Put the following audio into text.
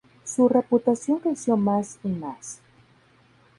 Su reputación creció más y más.